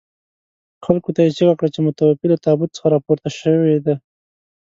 خلکو ته یې چيغه کړه چې متوفي له تابوت څخه راپورته شوي دي.